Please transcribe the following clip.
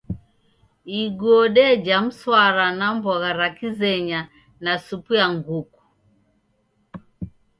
Iguo deja mswara na mbogha ra kizenya na supu ya nguku.